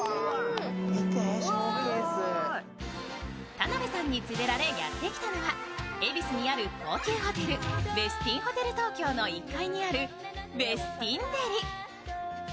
田辺さんに連れられやってきたのは恵比寿にある高級ホテル、ウェスティンホテル東京の１階にあるウェスティンデリ。